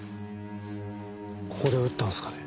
ここで撃ったんすかね？